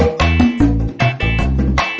jangan takut kotoran tekap